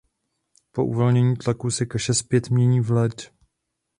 Po uvolnění tlaku se kaše zpět mění v led.